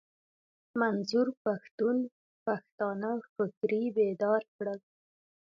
منظور پښتون پښتانه فکري بيدار کړل.